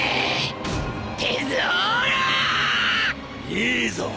いいぞ！